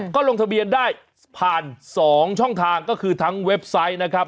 ก็ลงทะเบียนได้ผ่าน๒ช่องทางก็คือทั้งเว็บไซต์นะครับ